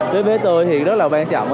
với tôi thì rất là quan trọng